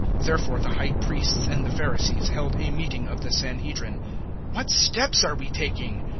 011:047 Therefore the High Priests and the Pharisees held a meeting of the Sanhedrin. "What steps are we taking?"